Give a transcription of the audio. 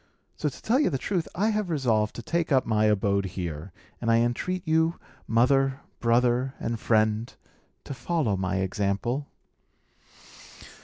So, to tell you the truth, I have resolved to take up my abode here; and I entreat you, mother, brother, and friend, to follow my example."